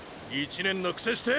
１年のくせして！！